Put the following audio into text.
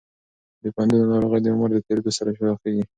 د بندونو ناروغي د عمر تېریدو سره پراخېږي.